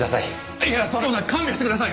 いやそんな勘弁してください！